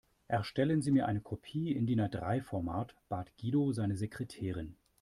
Erstellen Sie mir eine Kopie im DIN-A-drei Format, bat Guido seine Sekretärin.